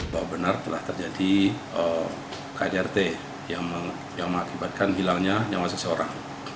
bahwa benar telah terjadi kdrt yang mengakibatkan hilangnya nyawa seseorang